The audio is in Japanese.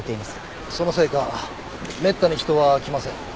そのせいかめったに人は来ません。